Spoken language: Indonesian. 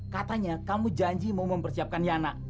katanya kamu janji mau mempersiapkan yana